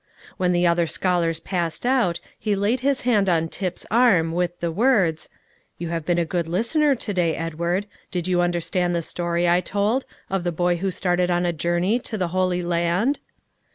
When the other scholars passed out, he laid his hand on Tip's arm, with the words, "You have been a good listener to day, Edward, Did you understand the story I told, of the boy who started on a journey to the Holy Land?"